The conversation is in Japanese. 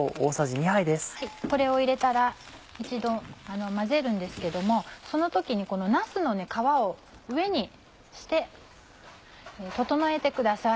これを入れたら一度混ぜるんですけどもその時になすの皮を上にして整えてください。